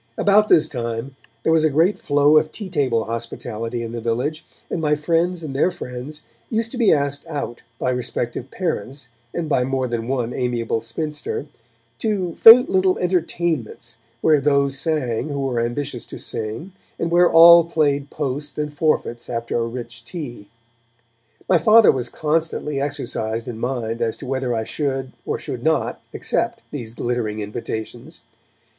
About this time there was a great flow of tea table hospitality in the village, and my friends and their friends used to be asked out, by respective parents and by more than one amiable spinster, to faint little entertainments where those sang who were ambitious to sing, and where all played post and forfeits after a rich tea. My Father was constantly exercised in mind as to whether I should or should not accept these glittering invitations.